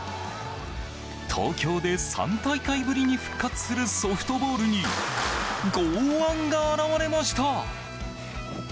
東京で３大会ぶりに復活するソフトボールに剛腕が現れました。